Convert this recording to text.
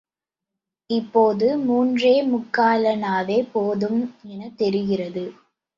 இப்போது மூன்றே முக்காலணாவே போதும் எனத் தெரிகிறது.